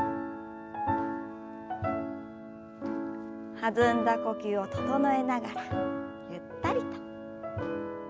弾んだ呼吸を整えながらゆったりと。